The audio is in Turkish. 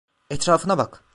Etrafına bak.